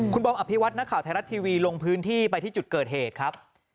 คุณบอมอภิวัตนักข่าวไทยรัฐทีวีลงพื้นที่ไปที่จุดเกิดเหตุครับ